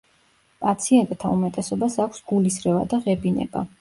პაციენტთა უმეტესობას აქვს გულისრევა და ღებინება.